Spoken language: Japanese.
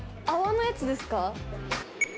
泡のやつですか？